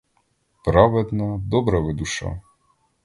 Праведна, добра ви душа!